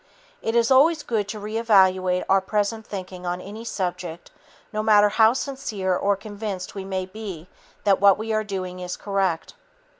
It is always good to re evaluate our present thinking on any subject, no matter how sincere or convinced we may be that what we are doing is correct.